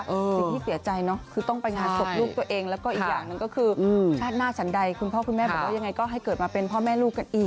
สิ่งที่เสียใจเนาะคือต้องไปงานศพลูกตัวเองแล้วก็อีกอย่างหนึ่งก็คือชาติหน้าฉันใดคุณพ่อคุณแม่บอกว่ายังไงก็ให้เกิดมาเป็นพ่อแม่ลูกกันอีก